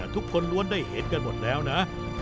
ทุกคนล้วนได้เห็นกันหมดแล้วนะ